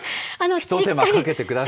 ひと手間かけてください。